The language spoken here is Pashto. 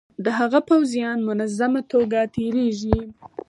د هغه پوځیان منظمه توګه تیریږي.